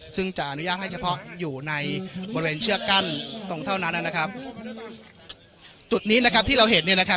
ซึ่งจะอนุญาตให้เฉพาะอยู่ในบริเวณเชือกกั้นตรงเท่านั้นนะครับจุดนี้นะครับที่เราเห็นเนี่ยนะครับ